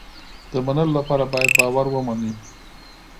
د منلو لپاره باید باور ومني.